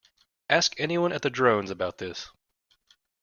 Ask anyone at the Drones about this.